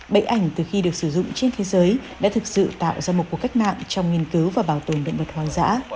bẫy ảnh từ khi được sử dụng trên thế giới đã thực sự tạo ra một cuộc cách mạng trong nghiên cứu và bảo tồn động vật hoang dã